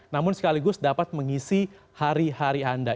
namun sekaligus dapat mengisi hari hari anda